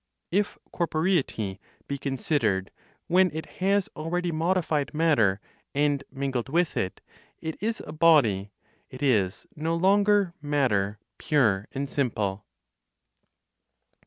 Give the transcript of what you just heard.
If corporeity be considered when it has already modified matter and mingled with it, it is a body; it is no longer matter pure and simple.